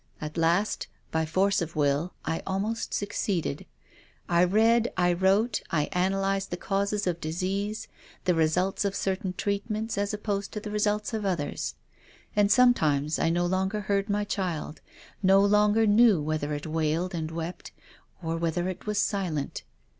At last, by force of will, I almost succeeded. I read, I wrote, I analysed the causes of disease, the results of certain treat ments as opposed to the results of others. And sometimes I no longer heard my child, no longer knew whether it wailed and wept or whether it was silent.